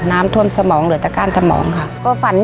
น้ำท่วมสมองเหลือแต่ก้านสมองค่ะ